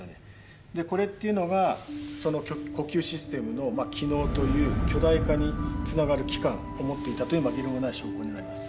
これっていうのがその呼吸システムの気嚢という巨大化につながる器官を持っていたという紛れもない証拠になります。